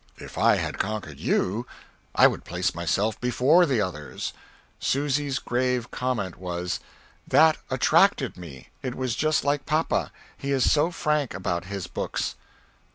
"If I had conquered you I would place myself before the others." Susy's grave comment was "That attracted me, it was just like papa he is so frank about his books."